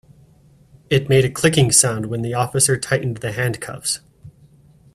It made a clicking sound when the officer tightened the handcuffs.